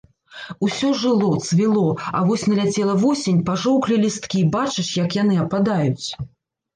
Усё жыло, цвіло, а вось наляцела восень, пажоўклі лісткі, бачыш, як яны ападаюць.